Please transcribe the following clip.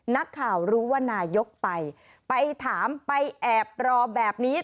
นักข่าวรู้ว่านายกไปไปถามไปแอบรอแบบนี้